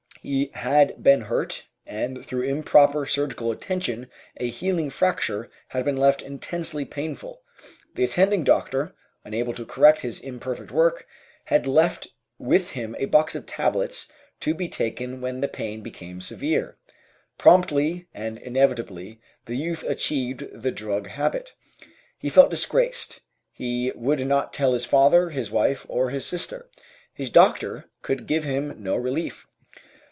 He had been hurt, and through improper surgical attention a healing fracture had been left intensely painful. The attending doctor, unable to correct his imperfect work, had left with him a box of tablets to be taken when the pain became severe. Promptly and inevitably the youth achieved the drug habit. He felt disgraced, he would not tell his father, his wife, or his sister. His doctor could give him no relief.